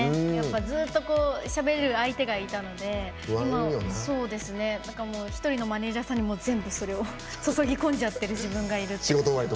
ずっとしゃべる相手がいたので一人のマネージャーさんにそれを注ぎ込んじゃってる自分がいる。